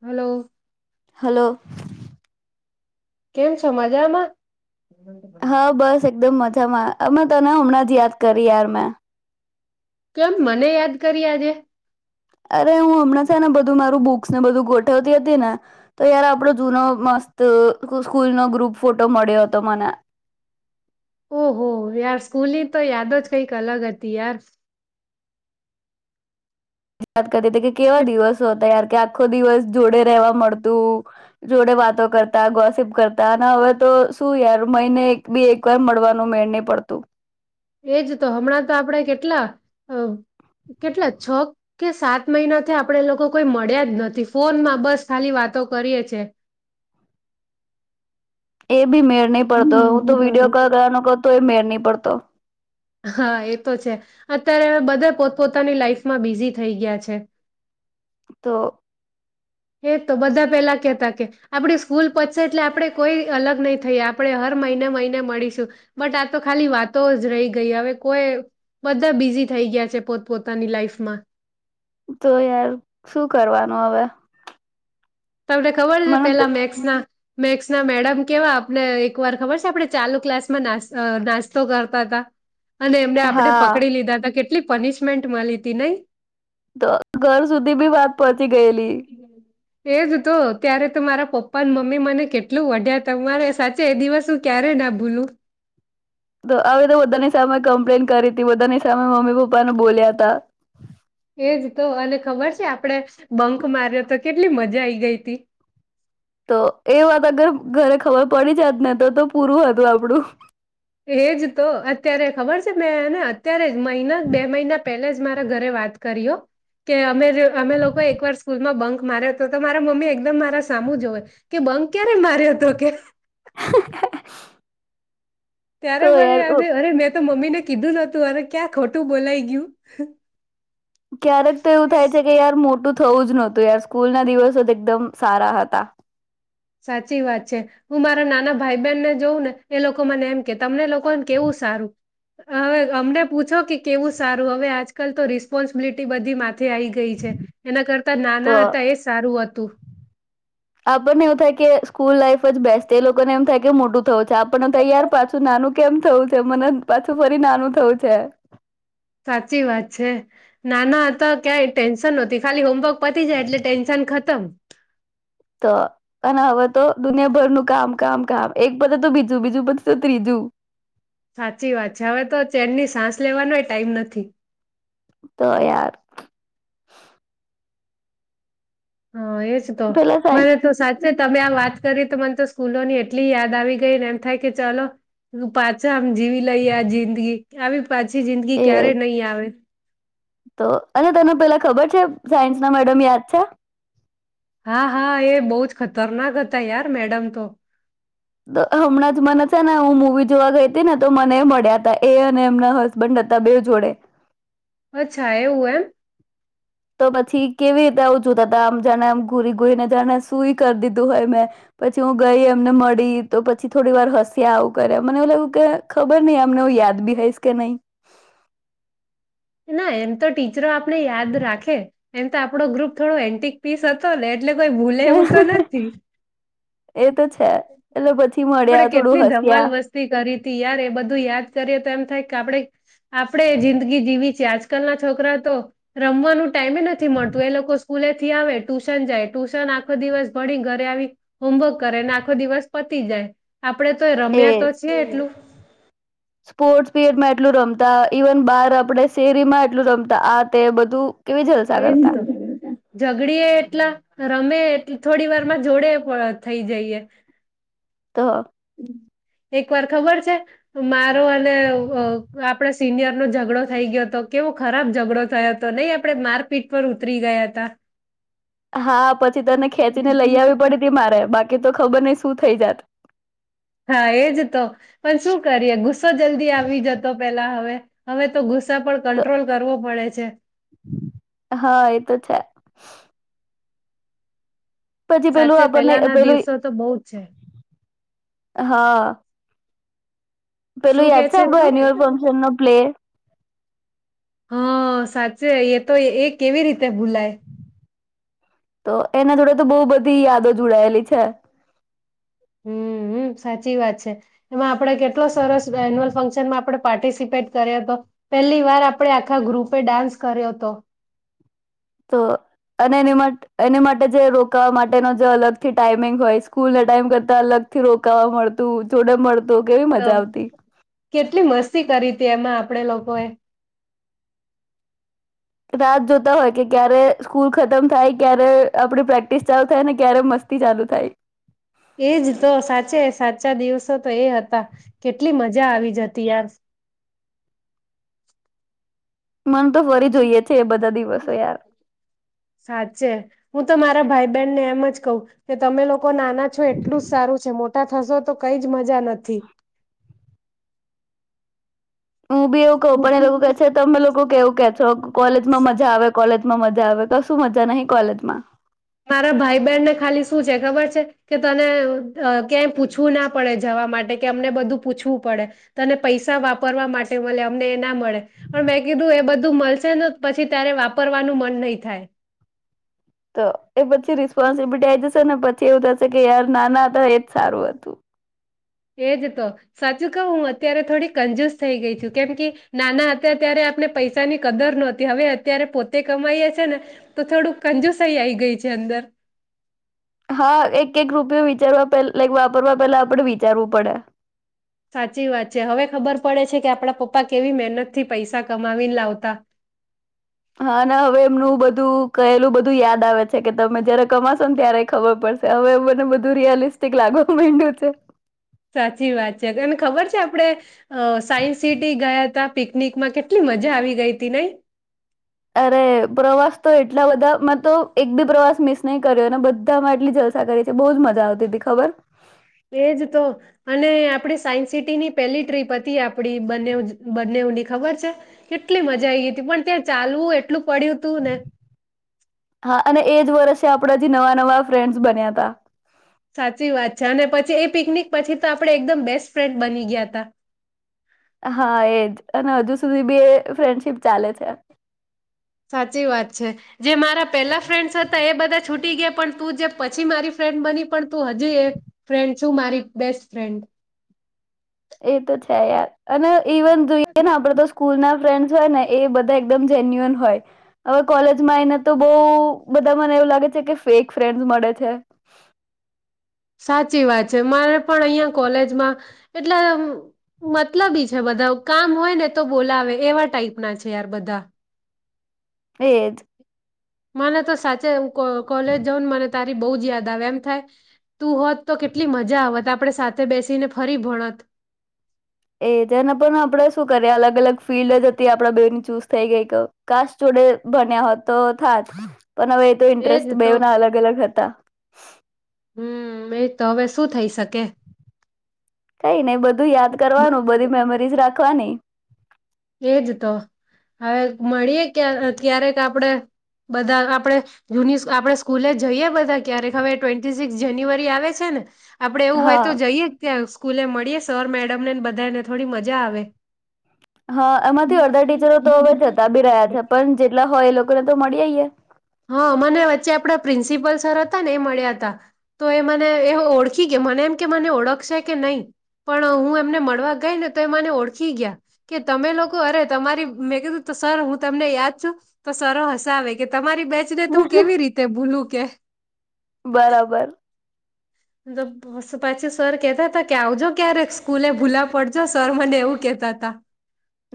Hello. Hello. કેમ છો મજામાં. હા [inaudible] બસ એકદમ મજામાં અમે તને હમણાં જ યાદ કરી યાર મેં. કેમ મને યાદ કરી આજે. અરે હું હમણાં છે ને બધું મારું બુક્સને બધું ગોઠવતી હતી ને તો યાર આપડો જૂનો મસ્ત સ્કૂલ નો ગ્રુપ ફોટો મળ્યો હતો મને. ઓહો યાર સ્કૂલ ની તો યાદ જ કંઈક અલગ હતી યાર. [inaudible] ક કે કેવા દિવસ હો તયાર કે આખો દિવસ જોડે રવા મળતું જોડે વાતો કરતા ગોસીપ કરતા અને હવે તો શું યાર મહિને બી એક વાર મળવાનું મેળ નહી પડતું. એજ તો હમણાં તો આપણે કેટલા કેટલા છ કે સાત મહિનાથી આપણે લોકો કોઈ મળ્યા જ નથી ફોનમાં બસ ખાલી વાતો કરીએ છે. એ બી મેળરહી પડતો હું તો વિડીયો કો ગવાનો કહ તો એ મેળ નહી પડતો તો. હા એ તો છે અત્યારે બધા પોત પોતાની લાઈફમાં બિઝી થઈ ગયા છે. તો. હે તો બધા પેલા કહેતા કે આપડી સ્કૂલ પછશે એટલે આપણે કોઈ અલગ નહી થઈ આપણે હર મહિને મહિને મળીશું બટ આ તો ખાલી વાતો જ રહી ગઈ હવે કોઈ બધા બિઝી થઈ ગયા છે પોત પોતાની લાઈફમાં. તો યાર શું કરવાનું હવે. તમને ખબર છે મને તો પેલા મેક્સ ના મેક્સ ના મેડમ કેવા આપને એક વાર ખબર છે આપણે ચાલુ ક્લાસમાં નાસ્તો કરતા હતા. અને એમને આપણે હા પકડી લીધા હતા કે કેટલી પનિશમેન્ટ મળી હતી નહી તો ઘર સુધી બી વાત પહોંચી ગયેલી. એજ તો ત્યારે તો મારા પપ્પા ને મમ્મી મને કેટલું વઢ્યા તમારે સાચે એ દિવસ હું ક્યારે ના ભૂલું તો હવે તો બધાની સામે કમ્પ્લેન કરી હતી બધાની સામે મમ્મી પપ્પાને બોલ્યા તા. એજ તો અને ખબર છે આપડે બંક માર્યો તો કેટલી મજા આઈ ગઈ હતી. તો એ વાત અગર ઘરે ખબર પડી જાત ને તો તો પૂરું હતું આપણું. એજ તો અત્યારે ખબર છે મેંને અત્યારે જ મહિના બે મહિના પેલે જ મારા ઘરે વાત કરી્ હો કે અમે અમે લોકો એકવાર સ્કૂલમાં બંક માર્યો હતો તો મારા મમ્મી એકદમ મારા સામ જ હોય કે બંક ક્યારે માર્યો હતો કે. [inaudible] ત્યારે તો મને યાર યાદ અરે મે તો મમ્મી ને કીધું નોતું અરે ક્યાં ખોટું બોલાય ગયું. ક્યારેક તો એવું એ થાય છે કે યાર મોટું થવું જ નહતું યાર સ્કૂલ ના દિવસો એકદમ સારા હતા. સાચી વાત છે હું મારા નાના ભાઈ બહેનને જોઉ ને એ લોકો મને એમ કે તમને લોકોને કેવું સારું હવે અમને પૂછો કે કેવું સારું હવે આજકાલ તો રિસ્પોન્સિબિલિટી બધી મા આવી ગઈ છે એના કરતા તો નાના હતા એ સારું હતું. કત. આપણને એવું થાય કે સ્કૂલ લાઈફ જ બેસ્ટ એ લોકોને એમ થાય કે મોટું થયું છે આપ [unintelligible] તૈયાર પાછું નાનું કેમ થવું છે મને પાછું ફરી નાનું થવું છે સાચી વાત છે નાના હતા ક્યાંય ટેન્શન નહોતી ખાલી હોમવર્ક પતી જાય એટલે ટેન્શન ખતમ તો અને હવે તો દુનિયાભરનું કામ કામ કામ એક પતે તો બીજું બીજું પત્સે ત્રીજું સાચી વાત છે હવે તો ચેનની સાસ લેવાનો એ ટાઈમ નથી તો યાર. હા એજ તો, પેલા મને સાયન્સ તો સાચે તમે આ વાત કરી તો મને તો સ્કૂલો ની એટલી યાદ આવી ગઈને એમ થાય કે ચાલો પાછા જીવી લઈ આ જિંદગી કે આવી પાછી જિંદગી એ ક્યારે નહીં આવે. તો અને તેને પેલા ખબર છે. સાયન્સ ના મેડમ યાદ છે? હા હા એ બવ જ ખતરનાક હતા યાર મેડમ તો. તો હમણાં જ મને છે ને હું મવી જોવા ગઈ હતી ને તો મને મળ્યા તા એ અને એમના હસબન્ડ હતા. બે જોડે. અચ્છા એવું એમ. તો પછી કેવી રીતે આવું જોતા તા આમ જાણે આમ ઘૂરી ગુરીને જાણે સુુંઈ કર દીધું હોય મેં પછી હું ગઈ એમને મળી તો પછી થોડી વાર હસ્યા આવું કર્યા મને એવું લાગું કે ખબર ની અમને હું યાદ બી હઈશ કે નહી. ના એમ તો ટી ચરો આપને યાદ રાખે. એમ તો આપડો ગ્રુપ થોડો એન્ટીક પીસ હતો લે એટલે કોઈ ભૂલે એવું તો નહી નથી. એ તો છ આપડે કેટલી હસ્યા ધમાલ મસ્તી કરીતી યાર એ બધું યાદ કરીએ તો એમ થાયક આપડે આપડે જિંદગી જીવી છીએ આજકાલ ના છોકરા તો રમવાનું ટાઈમે નથી મળતું એ લોકો સ્કૂલેથી આવે ટુશન જાય ટુશન આખો દિવસ ભણીન ઘરે આવી હોમવર્ક કરેને આખો દિવસ પતી જાય આપડે તો રમ્યા તો એજ છે એટલું સ્પોર્ટ્સ પીરિયડમાં એટલું રમતા ઈવન બહાર આપડે શેરીમાં એટલું રમતા આ તે બધું કેવી જલસા એજ ન કરતા જગડીએ એટલા રમે એટલ થોડી વાર માં જોડે પણ થઈ જઈએ તો એક વાર ખબર છે મારો અને અ આપડા સિનિયર નો જઘડો થઈ ગયોતો કેવો ખરાબ જઘડો થયો હતો નહી આપડે મારપીટ પર ઉતરી ગયા હતા હા પછી તને ખેંચીને લઈ આવીવી પડીતી મારે બા કી તો ખબર નઇ શું થઈ જાત. હા એજ તો પણ શું કરીએ ગુસ્સો જલ્દી આવી જતો પેલા હવે હવે તો ગુ પણ તોય તો કંટ્રોલ કરવો પડે છે. છે. હા એ તો છે. પછી પેલું સાચે આપણને પહેલાના પેલું દિવસો તો બહુ જ છે. હા. પેલું શું કે યાદ છે આપણું તું એન્યુઅલ ફંક્શન નો પ્લે? હા સાચે એ તો એ કેવી રીતે ભૂલાય. તો એના જોડે તો બહુ બધી યાદો જોડાયેલી છે. હમ્મ, સાચી વાત છે એમાં આપણે કેટલો સરસ એન્યુઅલ ફંક્શનમાં આપણે પાર્ટિસિપેટ કર્યો હતો. પહેલી વાર આપણે આખા ગ્રુપે ડાન્સ કર્યો તો. તો અને એની મા એની માટે જે રોકાવા માટેનો જે અલગથી [unintelligible] સ્કૂલનો દાન કરતા અલગથી રોકવા મળતું તે લોક તો કેટલી મસ્તી કરી તી એમાં આપણે લોકોએ. રાહ જોતા હોય કે ક્યારે સ્કૂલ ખતમ થાય ક્યારે આપણી પ્રેક્ટિસ ચાલુ થાય ને ક્યારે મસ્તી ચાલુ થાય. એજ તો સાચે સાચા દિવસો તો એ હતા. કેટલી મજા આવી જ હતી યાર. મન તો ફરી જોઈએ છે એ બધા દિવસો યાર. બેનને એમ જ કહું કે તમે લોકો નાના છો એટલું જ સારું છે મોટા થશો તો કઈ જ મજા નથી. હું બી એવું કહું પણ એ લોકો કે છે તમે લોકો કેવું કે છો કોલેજમાં મજા આવે કોલેજમાં મજા આવે તો મજા નહી કોલેજમાં. મારા ભાઈ બહેનને ખાલી શું છે ખબર છે કે તને અ ક્યાંય પૂછવું ના પડે જવા માટે કે અમને બધું પૂછવું પડે તને પૈસા વાપરવા માટે મળે અમને એ ના મળે પણ મેં કીધું એ બધું મળશે ને પછી ત્યારે વાપરવાનું મન નહી થાય. તો એ પછી રિસ્પોન્સિબિલિટી આ આવી જશે ને પછી એવું થશે કે યાર નાના હતા એજ સારું હતું. એજ તો સાચું કહું હું અત્યારે થોડી કંજૂસ થઈ ગઈ છુ. કેમ કે નાના હતા ત્યારે આપને પૈસાની કદર નહોતી. હવે અત્યારે પોતે કમાઈએ છે ને તો થોડુંક કંજૂસ થઈ આવીઈ ગઈ છે અંદર. હા એક એક રૂપિયો વિચારવા પડ લાઇક વાપરવા પેલા આપડે વિચારવું પડે. સાચી વાત છે હવે ખબર પડે છે કે આપડા પપ્પા કેવી મહેનત થી પૈસા કમાવી લાવતા. હા અને હવે એમનું બધું કહેલું બધું યાદ આવે છે કે તમે જયારે કમાશો ને ત્યારે ખબર પડશે હવે મને બધું રિયલિસ્ટિક લાગવા માંડ્યું છે. સાચી વાત છે ને તને ખબર છે આપણેે અ સાયન્સ સિટી ગયા તા પિકનિકમાં કેટલી મજા આવી ગઈ હતી નઈ. અરે પ્રવાસ તો એટલા બધામાં તો એક બી પ્રવાસ મિસ નહી કર્યો અને બધામાં એટલી જલસા કરી છે. બહુજ મજા આવતી હતી ખબર. એજ તો અને આપડી સાયન્સ સિટીની પેલી ટ્રીપ હતી આપડી બને બી બનેવની ખબર છે કેટલી મજા આવી હતી પણ ત્યાં ચાલવું એ એટલું પડ્યું તું ને. કે આપણા જે નવા નવા ફ્રેન્ડ્સ બન્યા તા. સાચી વાત છે અને પછી એ પિકનિક પછી તો આપડે એકદમ બેસ્ટ ફ્રેન્ડ બની ગયા હતા. હા એજ અને હજુ સુધી બી એ ફ્રેન્ડશીપ ચાલે છે. સાચી વાત છે જે મારા પેલા ફ્રેન્ડસ હતા એ બધા છૂટી ગયા પણ તું જે પછી મારી ફ્રેન્ડ બની પણ તું હજી એ ફ્રેન્ડ છું મારી બેસ્ટ ફ્રેન્ડ. એ તો છે યાર. અને ઇવન જોઈએ ને આપડે તો સ્કૂલ ના ફ્રેન્ડ છોડ ને બધાય એકદમ જેન્યુઅલ હોય હવે કૉલેજ માં આવી ને તો બહુ બધા નું એવું લાગે છે કે ફેંક ફ્રેન્ડ મળે છે. સાચી વાત છે મારે પણ અહિયાં કોલેજમાં એટલે મતલબ છે બધા કામ હોય ને તો બોલાવે એવા ટાઈપના છે યાર બધા. એ જ. મને તો સાચે કોલેજ જઉ ને મને તારી બહુ જ યાદ આવે એમ થાય તું હોત તો કેટલી મજા આવત આપણેે સાથે બેસીને ફરી ભણત. એ જેને પણ આપણેે શું કરીએ અલગ અલગ ફિલ્ડ જ હતી આપડા બેની ચૂઝ થઈ ગઈ કે કાસ્ટ જોડે બન્યા હો તો થાત. પણ હવે, એ તો એજ ઇન્ટરેસ્ટ તો બેવ ના અલગ-અલગ હતા. હમ એજ તો હવે શું થઈ શકે? કંઈ નઈ બધું યાદ કરવાનું બધી મેમરીઝ રાખ રાખવાની. એ જ તો હવે મળીએ ક્યા ક્યારેક આપણેે બધા આપણેે જૂની આપણે સ્કૂલે જઈએ. બધા ક્યારેક હવે ટ્વેન્ટ ટી સિક્સ જાન્યુઆરી આવે છે ને આપણે એવું હોય તો હા જઈએ ત્યાં. સ્કૂલે મળીએ સર, મેડમનેને બધાને થોડી મજા આવે. હા એમાંથી અડધા ટીચરો તો હવે, જતા પણ રહ્યા છે. પણ જે લા હોય એ લોકોને તો મળી આવીએ યા. હા મને વચ્ચે આપણા પ્રિન્સિપલ સર હતા ને એ મળ્યા હતા. તો એ મને એ હો ઓળખી ગયા મને એમ કે મને ઓળખશે કે નહીં. પણ હું એમને મળવા ગઈ ને તો એ મને ઓળખી ગયા કે, તમે લોકો અરે તમારી મેં કીધું સર હું તમને યાદ છું તો સર હસાવે કે તમારી બેચને તો હું કેવી રીતે ભૂલું કે? બરાબર. [unintelligible] પછી સર કેતા હતા કે, આવજો ક્યારેક સ્કૂલે ભૂલા પડજો સર મને એવું કેતા હતા.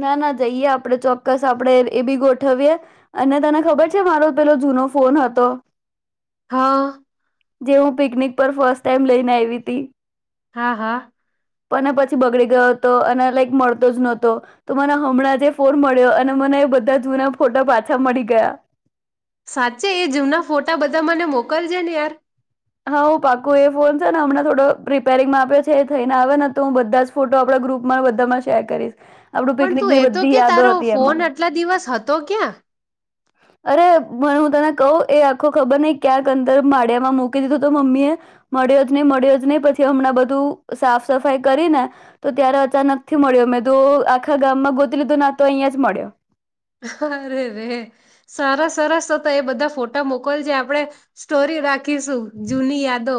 ના ના જઈએ આપણે ચોક્કસ આપણે એ પણ ગોઠવીએ. અને તને ખબર છે મારો પેલો જૂનો ફોન હતો. હા. જે, હું પિકનિક પર ફર્સ્ટ ટાઈમ લઈને આયવી તી. હા હા. પણ પછી બગડી ગયો હતો. અને લાઈક મળતો જ નહોતો. તો મને હમણાં જ ફોન મળ્યો અને મને એ બધા જૂના ફોટા પાછા મળી ગયા. સાચ્ચે એ જુના ફોટા બધા મને મોકલજે ને યાર. હા હો પાકું એ ફોન છે ને હમણાં થોડો રિપેરિંગમાં આપ્યો છે થઈને આવે ને તો, હું બધા જ ફોટો આપણા ગ્રુપમાં બધામાં શેર કરીશ. આપણું પણ તું પિકનિકની એ તો બધી કહે, તારો યાદો હતી ફોન એમાં આટલા દિવસ હતો ક્યાં? અરે પણ હું તને કહું એ આખો ખબર નહીં ક્યાંક અંદર માળિયામાં મુ દીધું હતો મમ્મીએ મળ્યો જ નહી મળ્યો જ નહી. પછી હમણાં બધું સાફ-સફાઈ કરીને તો, ત્યારે અચાનકથી મળ્યો, મેં કીધું આખા ગામમાં ગોતી લીધું ના આતો અહીયાં થી જ મળ્યો. અરે રે સરસ સરસ તો તો એ બધા ફોટા મોકલજે આપણે સ્ટોરી રાખ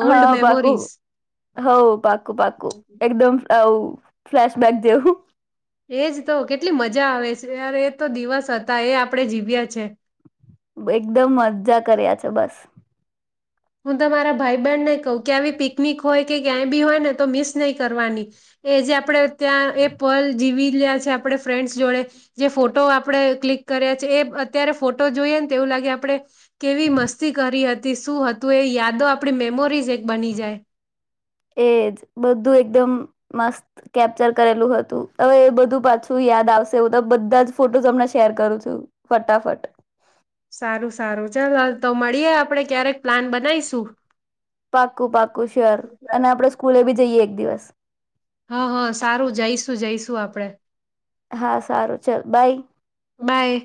હા પાકું હા હા પાકું પાકું એકદમ આવ. ફ્લેશબેક દેશુ. એ જ તો કેટલી મજા આવે છે યાર એ તો દિવસ હતા એ આપણેે જીવ્યા છે. એકદમ મજા કર્યા છે બસ. હું તો મારા ભાઈ-બહેનને કહું ક્યાંય પણ પિકનિક હોય કે ક્યાંય પણ હોય ને તો મિસ નહી કરવાની. એ જે આપણે ત્યાં એ પલ જીવેલા છે, આપણે ફ્રેન્ડ્સ જોડે જે ફોટો આપણે ક્લિક કર્યા છે. એ અત્યારે ફોટો જોઈએ ને તેવું લાગે, આપણે કેવી મસ્તી કરી હતી શું હત. તુ એ યાદો આપણી મેમરીઝ એક બની જાય. એજ બધું એકદમ મસ્ત કેપ્ચર કરેલું હતું હવે એ બધું પાછું યાદ આવશે હું તો બધા જ ફોટોઝ હમણા શેર કરું છું ફટાફટ. સારું સારું ચાલ, હાલ તો મળીએે આપણે ક્યારેક પ્લાન બનાવીશું. પાકું પાકું શ્યોર અને આપણે સ્કૂલે પણ જઈએ. એક દિવસ. હા હા સારું જઈશું જઈશું આપણે. હા.. સારું.. ચાલ, બાય.. બાય